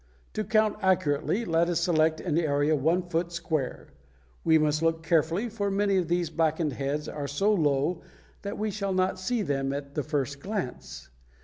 To count accurately let us select an area one foot square. We must look carefully, for many of these blackened heads are so low that we shall not see them at the first glance.